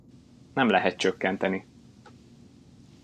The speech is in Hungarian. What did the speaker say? Nem lehet csökkenteni.